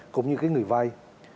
cũng như cái người vây